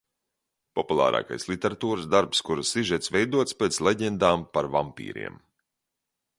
Populārākais literatūras darbs, kura sižets veidots pēc leģendām par vampīriem.